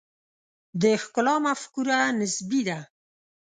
د ښکلا مفکوره نسبي ده.